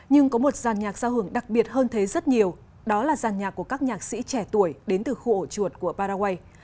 nhưng có một giàn nhạc giao hưởng đặc biệt hơn thế rất nhiều đó là giàn nhạc của các nhạc sĩ trẻ tuổi đến từ khu ổ chuột của paraguay